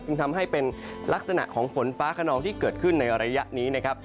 ทำให้เป็นลักษณะของฝนฟ้าขนองที่เกิดขึ้นในระยะนี้นะครับ